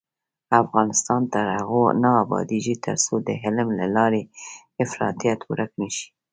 افغانستان تر هغو نه ابادیږي، ترڅو د علم له لارې افراطیت ورک نشي.